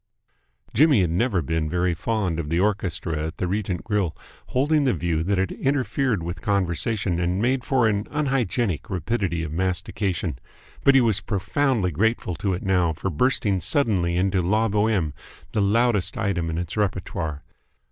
Jimmy had never been very fond of the orchestra at the Regent Grill, holding the view that it interfered with conversation and made for an unhygienic rapidity of mastication; but he was profoundly grateful to it now for bursting suddenly into La Boheme, the loudest item in its repertory.